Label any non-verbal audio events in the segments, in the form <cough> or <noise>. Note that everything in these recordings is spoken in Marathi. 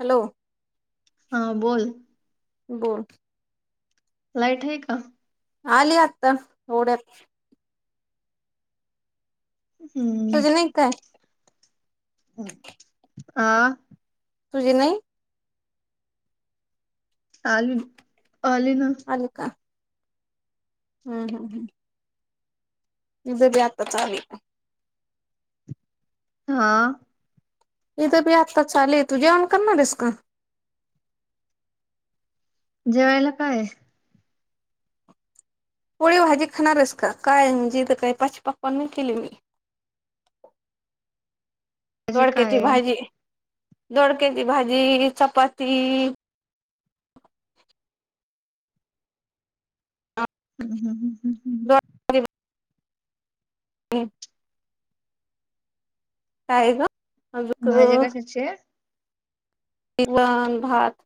हॅलो! हा बोल. गोल <unintelligible> लाईट आहे का? आली आता एवढ्यात. हम्म तुझी नाही काय आ? तुझ नाही? आल. आले ना. आले का? हम् हम हम्. जरी आता चाल- हा? इथ बी आत्ताच आले. तू जेवण करणारेस का? जेवायला कायये? पोळी भाजी खाणारेस का? काय म्हणजे इथ काय पाच पकवान नाही केले मी. भाजी काय दोडक्याची आहे? भाजी. दोडक्याची भाजी, चपाती- हम् हम हम. <unintelligible> <unintelligible> काय ग? भाजी अजून कशाची ए? <unintelligible> भात.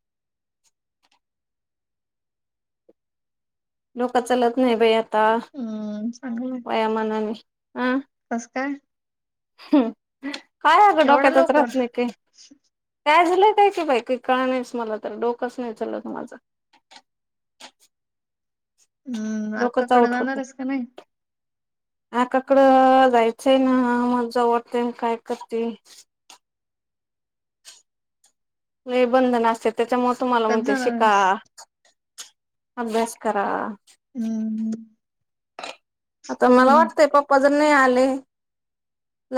लोकांचं लग्नं आहे बाई आता. हम्मं. चांगलंय. वयामांनाने. आं? कसं कायं? हं. कायं अगं एवढ्या डोक्यांतचं लवकर रहातं नाही काही. कायं झालंय कायं की? बाई कां कळनाहीचं मला तरं डोकंच नाहीं चालंत माझं. हम्मं. डोकंच अक्काकडं आउट जाणारं होते आहेस की नाहीं? आकाकडं जायचंय नां, मजा वाटतें कायं करते? लयं बंधन असतें त्यांच्यामुळे तुम्हांला कधी म्हणते जाणार शिका. आहेस अभ्यास करा. हम्म. आता हो मला ना वाटतंय पप्पां जर नाहीं आलें-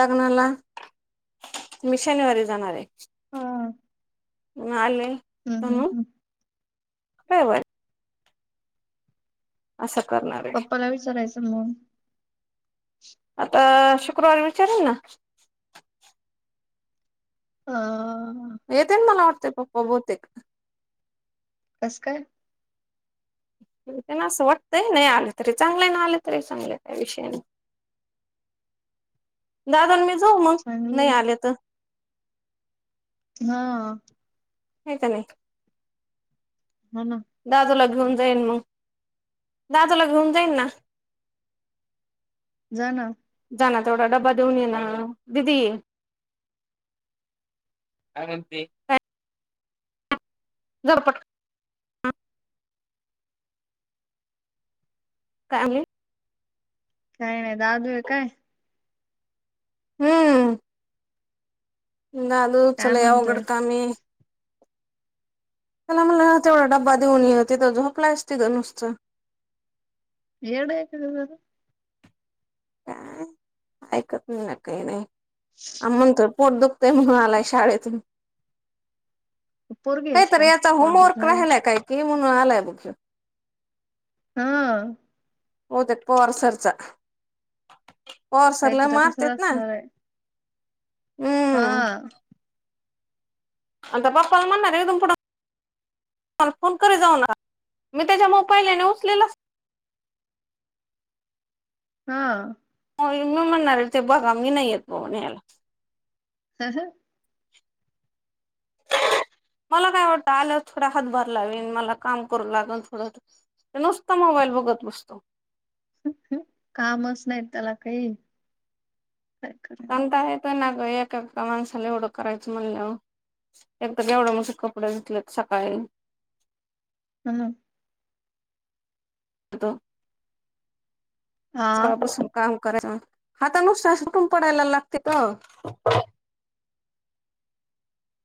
लग्नांला, मी शनिवांरी जाणारं आहे. हा आले हम्म हम्म म्हणून हम्म <unintelligible> असं करणारं. पप्पांला विचारायचं मगं? आता शुक्रवारी विचारिन ना. हं. येतील मला वाटतेय पप्पां बहुतेक. कसं कायं? <unintelligible> असं वाटतंय. नाहीं आलं तरी चांगलंय नां आलं तरी चांगलंय. काही विषय नाहीं. <unintelligible> दादा अन मी जाऊ मगं चांगलं नाहीं आहे. आलें तरं. हां. आहे कां नाहीं? हो नां. दादूला घेऊन जाईनं मगं. दादूला घेऊन जाईनं नां. जा ना. जांना तेवढा डब्बा देऊन येना. दिदी. कायं म्हणती. झरपट कायं आणली. कायं नाहीं दादू आहे कायं. हम्मं हम्मं दादूच काय लयं म्हणतोय अवघड कामं आहे. त्यांला म्हणला तेवढा डब्बा देऊन ये तिथं झोपलांच आहे तिथं नुस्तं. एडा आहे कां ग दांदां. कायं ऐकतं नाहीं नं कांहीं नाहीं आण म्हणतो पोट दुखतंय म्हणून आलाय शाळेतूंन. पोरगी आहेस काहीतरी काय यांचा पोट होमवर्क दुखायला राहिलांय कायं कि म्हणून आलांय बघं शाळेतुन. हां होते पवारसरचां पवारसर लयं काहीतरी तसच मारतेतं नां. हम्मं हां. आता पप्पांला म्हणणांर आहे इथून पुठं फोन कररीत जाऊ नका मी त्यांच्या मोबाईल आहेणां उचलेलं. हां हो मी म्हणणांर ते बघा मी नाहीं येतं बघून यायला. तसं हं <unintelligible> मला कायं वाटतं आल्यांवर थोड्या हातभार लावीन मला कामं करूं लागेल थोडंसं. तो नुसंत मोबाईल बघतं बसतो. हं कामंच नाहीत त्यांला कांहीं कायं करूं. त्यांणता येतोय ना ग एका एका माणसाला एओढं करायचं म्हणलं. एकदा एवढं मोठे कपडे घेतलेत सकाळी. हम्म. हा का बसून काम करायचं आता नुसता्या सुठून पडायला लागते का.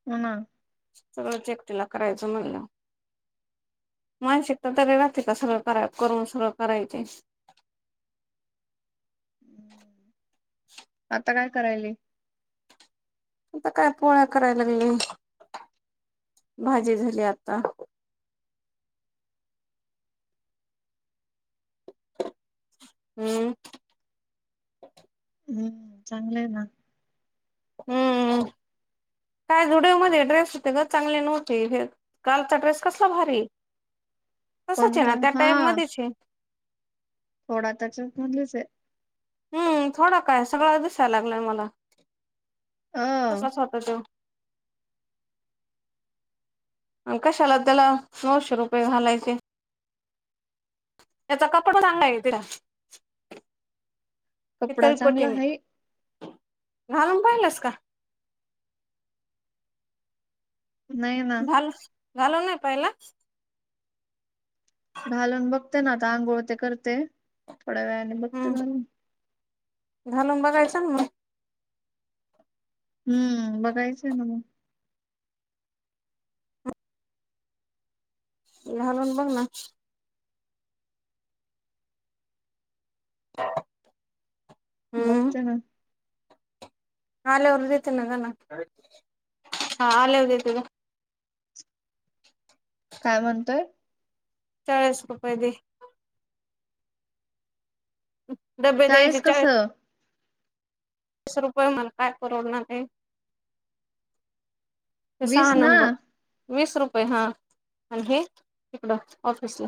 ह ना. सगळं चेक तिला करायचं म्हणलं. मानसिकता तरी राहातिका का सर करा करून सर करायची. आता काय करायल? आता काय पोळ्या करायला लागली भाजी झाली आता. हम्म हम्म चांगलं आहे ना. हम्म <inaudible> काय जुडव मध्ये ड्रेस होते ग चांगले नव्हते हे कालचा ड्रेस कसला भारी. तसच आहे कोणता ना त्या हा टाईप मध्येच आहे.. थोडा त्याच्या झालीच हम्म थोडा काय सगळं दिसायला लागलाय मला. अ तस स् होत त. कशाला त्याला नऊशे रुपये घालायचे. याचा कपडा पण चांगला आहे तिला कपडा इतर चांगला पटीने. आहे घालून पाहिलंस का. नाही ना घल झााल नाही पाहिला. घालून बघते ना तर आंघोळ ते करते थोड्या वेळाने बघते हम्म घालून. घालून बघायचं ना मग. हम्म बघायचंय ना मग. घालून बघ ना. ह <inaudible> बघत ना. आलेवर देेतनग ना हा आलवरेत जा. काय म्हणतोय. चाळीस रुपय दे. हं, चाळीस कसं. तस रुपये मणतय कररोना ते. ते वीस सहा ना नंबर वीस रुपये हा आणि हे तिकडं ऑफिसला.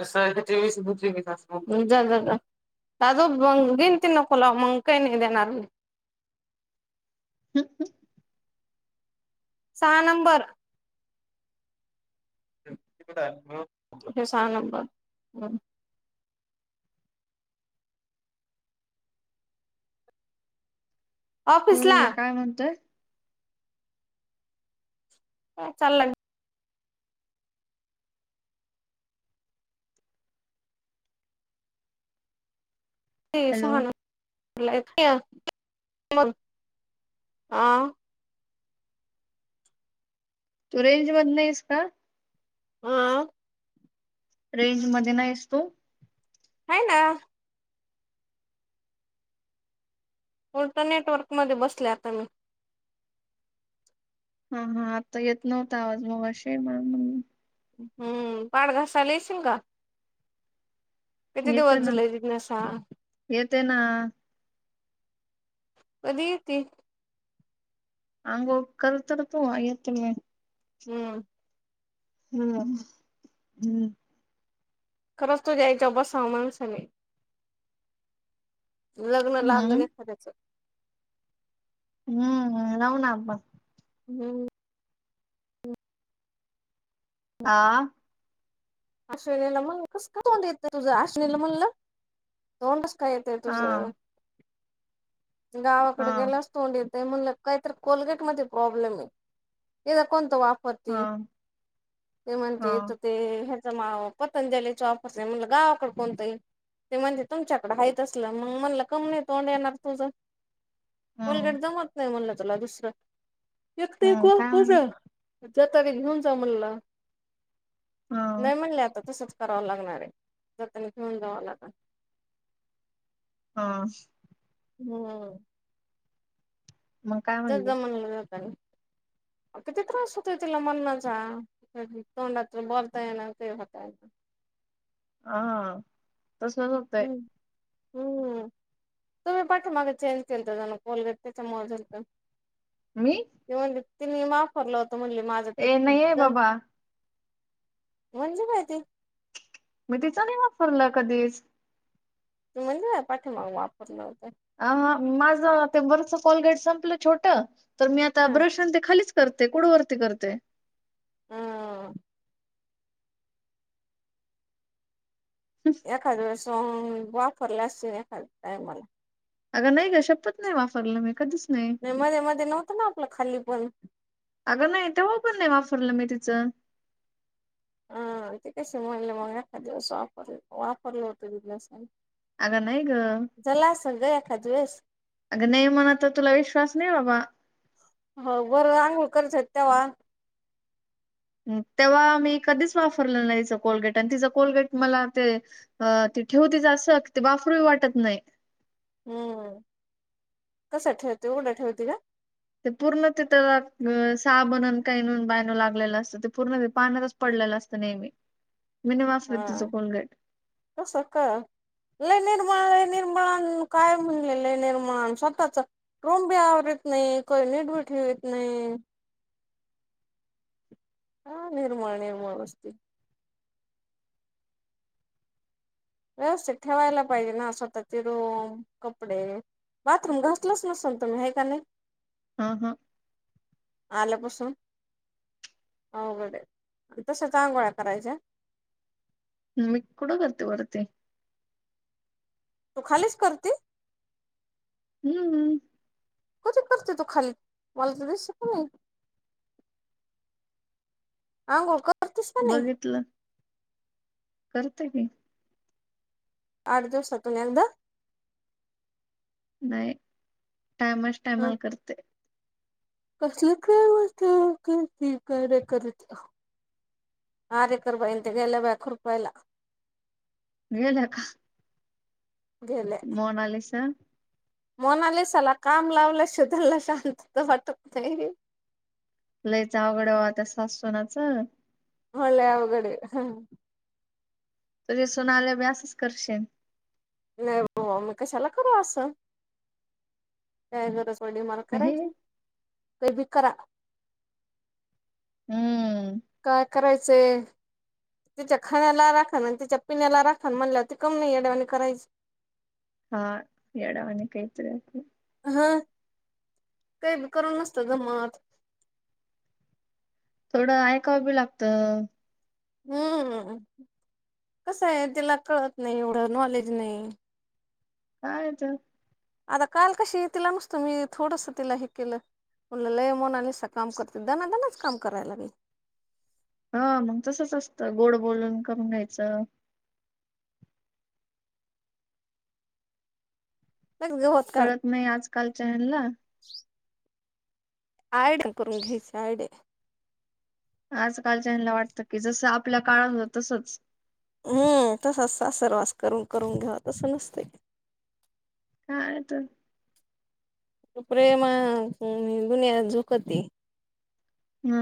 वीस बवीस <unintelligible> अ म गीन तिनकला मंग कायन इ देणार मी. ह ह <inaudible> सहा नंबर. सहा नंबर. बोल ऑफिसला ना काय म्हणतेय. चालय. ते हॅलो सहान <inaudible> मग आ तू रेंज मध नाहीस का. हा अ, रेंज मध्ये नाहीस तू. होै ना. उल्टर नटवर्कमध्ये बसले आता मी. हा हा, आता येत नव्हता आवाज मगशी म्हणून म्हणलं मी. हं पाठ घासायला येशीन का. किती येते दिवस ना झालेय तिजनसा. येते ना. कधी येती. आंघोळ करतो ना तू आहे ते मी. हम्म हम् हम्म. खरंच तुझ्या याच्या बसाव मानसाने. लग्न लागलं एखाद्याचं. हम्म हम्म लावू ना आपण. हम. आ. अश्विनीला म्हणलं कस का तोंड येतंय तुझं अश्विनीला म्हणलं तोंडस काय येतंय तुझं. आ आ गावाकड गेलास. तोंड येतय म्हणलं काहीतर कोलगेट मध्ये प्रॉब्लेम हे कोणत वापरत. हा हा परते <unintelligible> मा पतंजलीच वापरते म्हटलं गावाकड कोणतही. ते म्हणजे तुमच्याकडें हाय तसलं मग म्हणलं कमी नाही तोंड येणार तुझं. हम्म कोलगेट जमत नाही म्हणलं तुला दुसरं वत हम्म ऐकू काय कझ. म्हणली जात ते घेऊन जा म्हणला हा नाही म्हणले आता तसंच करावं लागणार आहे जातानी घेऊन जावं लागल हा हम्म मग काय ज म्हणली जमलं <inaudible> किती त्रास होतोय तिला मननाचा तोंडात बरताय ना ते होताय ना हा तसज होतय हम्म हम्म तुम्ही पाठी माग चेंज केलत का कोलगेट त्याच्यामुळे जालत मी ती म्हण तिने माफरलं होत म्हण माझ ते नाहीये बाबा म्हणजे माहिती मी तिचा नाही वापरलं कधीच तू म्हणली ना पाठीमागं वापरलं होतं अ माझं ते वरच कोलगेट संपलं छोट तर मी आता हं ब्रशन ते खालीच करते कुठवर ती करते हा एखाद वेळेस वापरला असत एका टाइमला अग नाही ग शपथ नाही वापरलं मी कधीच नाही मध्ये मध्ये नव्हतं ना आपलं खाली पण अगं नाही तेव्हा पण नाही वापरलं मी तिचं हा ते कस म्हणल मग एका दिवस वापर वापरलं होतं जिज्ञासा अग नाही ग झालं असल ग एखाद वेळेस अग नाही म्हणत तुला विश्वास नाही बाबा हो बरं अंघोळ करशात तेव्हा तेव्हा मी कधीच वाफरलं नाही याचं कोलगेट आणी तिचं कोलगेट मला ते अ ती ठेवतीच असं ते वापरूवी वाटत नाही हम्म कस ठेव ती उघडं ठेवती का ते पूर्ण तिथं साबण कानून बाणू लागलेलं असतं ते पूर्ण ते पाण्यात पडलेलं असतं नेहमी मी वापरत तिचं कोलगेट असं का लय निर्माळ निर्माळ काय म्हणले लय निर्माण स्वतःच रूम बी आवरत नाही कोही नीट ब ठेव यत नाही <inaudible> हा निर्माल निर्मल वस्तु व्यवस्थित ठेवायला पाहिजे ना स्वतःचे रूम कपडे बाथरूम घासलच नसल तुम्ही हे का नाही हा हा आल्यापासून अवघडे तसच आघोळया करायच्या मी कुड करते वरती तू खालीच करते हम्मम् कध करते तू खाली मला तू दिसली पण नाही आंघोळ क बघितलं. करते की. आठ दिवसातून एकदा. नाही. टायमाच टायमाला करते. कसलं काय मनती करती. काय नाही करत. आरेकर बाई न त्या, गेल्या बाय खुरपायला. गेल्या का? मोणालीसा. मोणालीसाला काम लावल्याशिवाय, त्यांनला शांतता वाटत नाही. लयच आवघडय ऑ त्या सासु - सुनांच. व्हय, लय अवघडे. <unintelligible> तुझ्या सूनाला बी, असच करशीन. नाही बाबा मी कशाला करू असं? काय गरज पडली माला हे करायची? काय बी करा. हम्म. काय करायचंय? तिच्या खाण्याला राखण न तिच्या पिण्याला राखण म्हणल्यावर, ती कामुन नाही याड्यावाणी करायची. हा, येडावनी. काहीतरी आपलं. हा. कायबी करून नसतं जमत. थोडं, ऐकाव बी लागतं. हम्म. कसंय, तिला कळत नाही. एवढं नॉलेज नाही. काये तर. आता काल कशी? तिला नुसत मी, थोडंस तिला ही केलं. म्हणलं, लय मोनालीसा काम करती. दनादनाच काम करायला लागली. ह, मग तसच असतं. गोड बोलून करून घ्यायचं. <unintelligible> कळत नाही, आजकालच्या हॅनला. आयडेन करून घ्यायचे. आयडे. आजकालच्या ह्यानला वाटतं की, जसं आपल्या काळात हो तसंच. हम्म, तसाच सासरवास करून- करून घेवा. तसं नसतय. काहे तर. प्रेमान, दुनिया झुकती. हा.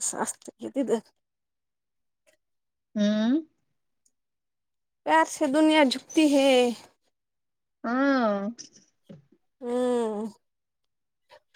कसं असत कि, तिद. हम्म. प्यारसे दुनिया झुकती है. आं. हं.